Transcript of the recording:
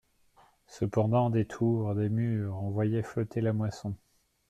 Cependant, des tours, des murs, on voyait flotter la moisson.